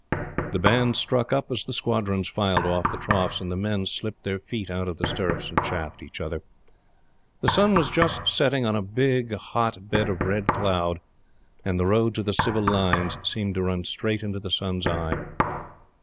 The band struck up as the squadrons filed off the troughs and the men slipped their feet out of the stirrups and chaffed each other. The sun was just setting in a big, hot bed of red cloud, and the road to the Civil Lines seemed to run straight into the sun's eye.